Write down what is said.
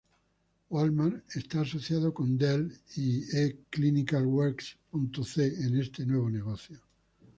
Walmart está asociando con Dell y eClinicalWorks.c en este nuevo negocio.